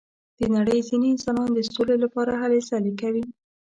د نړۍ ځینې انسانان د سولې لپاره هلې ځلې کوي.